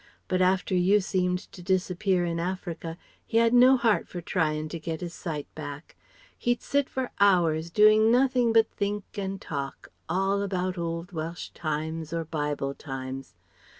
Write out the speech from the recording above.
But after you seemed to disappear in Africa he had no heart for trying to get his sight back. He'd sit for hours doing nothing but think and talk, all about old Welsh times, or Bible times.